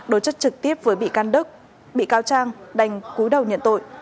đối chất trực tiếp với bị can đức bị cao trang đành cú đầu nhận tội